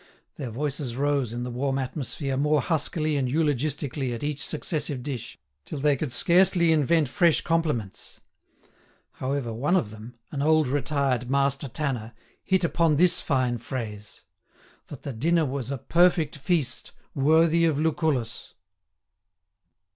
Their voices rose in the warm atmosphere more huskily and eulogistically at each successive dish till they could scarcely invent fresh compliments. However, one of them, an old retired master tanner, hit upon this fine phrase—that the dinner was a "perfect feast worthy of Lucullus."